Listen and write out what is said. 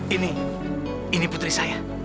ini ini putri saya